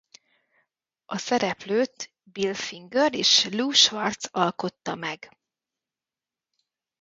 A szereplőt Bill Finger és Lew Schwartz alkotta meg.